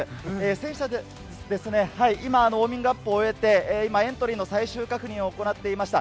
選手たちはですね、今、ウォーミングアップを終えて、エントリーの最終確認を行っていました。